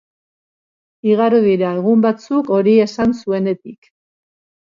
Igaro dira egun batzuk hori esan zenuenetik.